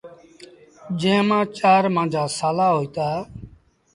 جݩهݩ مآݩ چآر مآݩجآ سآلآ هوئيٚتآ۔